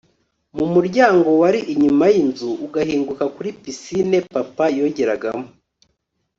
mu muryango wari inyuma yinzu ugahinguka kuri pisine papa yogeragamo